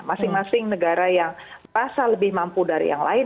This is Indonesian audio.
masing masing negara yang rasa lebih mampu dari yang lain